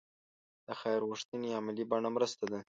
د خیر غوښتنې عملي بڼه مرسته ده.